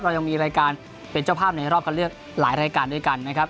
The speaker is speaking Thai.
เรายังมีรายการเป็นเจ้าภาพในรอบคันเลือกหลายรายการด้วยกันนะครับ